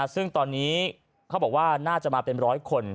ซึ่งตอนนี้เขาบอกว่าน่าจะมาเป็นร้อยคน